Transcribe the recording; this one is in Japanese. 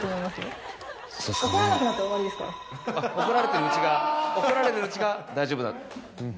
あっ怒られてるうちが怒られてるうちが大丈夫。